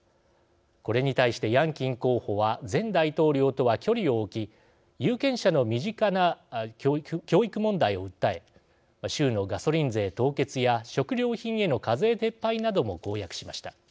これに対してヤンキン候補は前大統領とは距離を置き有権者の身近な教育問題を訴え州のガソリン税凍結や食料品への課税撤廃なども公約しました。